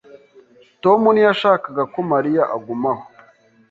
Tom ntiyashakaga ko Mariya agumaho.